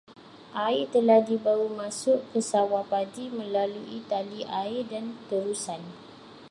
Air telah dibawa masuk ke sawah padi melalui tali air dan terusan.